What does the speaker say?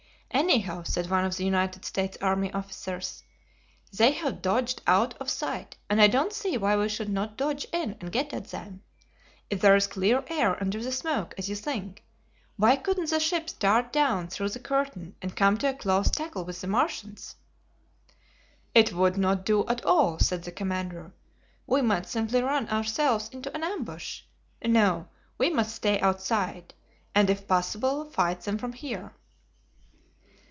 "Anyhow," said one of the United States army officers, "they have dodged out of sight, and I don't see why we should not dodge in and get at them. If there is clear air under the smoke, as you think, why couldn't the ships dart down through the curtain and come to a close tackle with the Martians?" "It would not do at all," said the commander. "We might simply run ourselves into an ambush. No; we must stay outside, and if possible fight them from here."